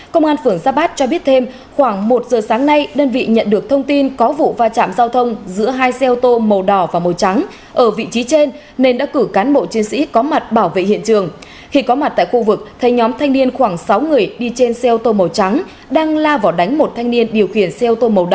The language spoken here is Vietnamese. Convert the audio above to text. các bạn hãy đăng ký kênh để ủng hộ kênh của chúng mình nhé